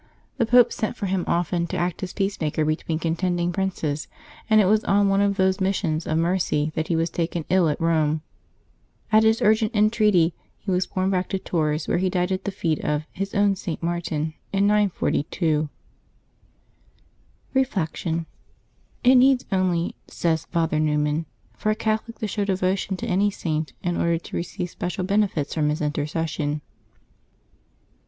The Pope sent for him often to act as peacemaker between contending princes, and it w^as on one of those missions of mercy that he was taken ill at Eome. At his urgent entreaty he was borne back to Tours, where he died at the feet of " his own St. Martin," in 942. Reflection. — ^^It needs only,'' says Father Newman, " for a Catholic to show devotion to any Saint, in order to receive special benefits from his intercession.''